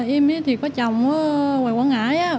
em ấy thì có chồng ở ngoài quảng ngãi